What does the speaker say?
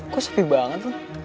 kok sepi banget tuh